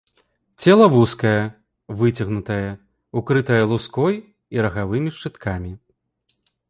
Цела вузкае, выцягнутае, укрытае луской і рагавымі шчыткамі.